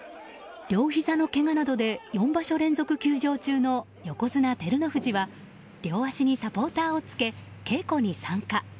両ひざのけがなどで４場所連続休場中の横綱・照ノ富士は両足にサポーターをつけ稽古に参加。